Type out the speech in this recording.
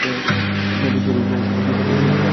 মেয়েটির ছবি ছাপায়ুছািট ইংল্যাও journal of ডেসিনে।